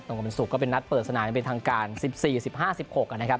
กลุ่มภาพันธ์วันศุกร์ก็เป็นนัดเปิดสนามเป็นทางการ๑๔๑๕๑๖นะครับ